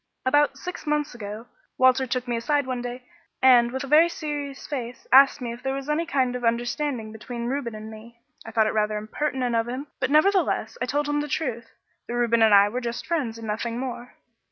"About six months ago, Walter took me aside one day and, with a very serious face, asked me if there was any kind of understanding between Reuben and me. I thought it rather impertinent of him, but nevertheless, I told him the truth, that Reuben and I were just friends and nothing more.